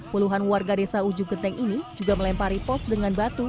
puluhan warga desa ujung genteng ini juga melempari pos dengan batu